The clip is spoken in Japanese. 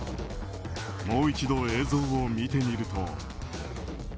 もう一度、映像を見てみると。